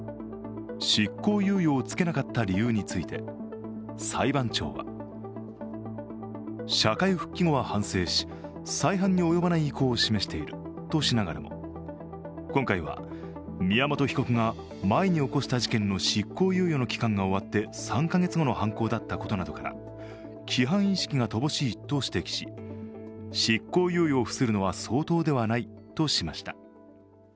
執行猶予をつけなかった理由について裁判長は、社会復帰後は反省し、再犯に及ばない意向を示しているとしながらも今回は、宮本被告が前に起こした事件の執行猶予の期間が終わって３カ月後の犯行だったことなどから、規範意識が乏しいと指摘し、執行猶予を付するのは相当ではないとしました。